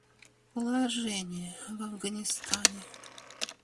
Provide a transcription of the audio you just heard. Положение в Афганистане.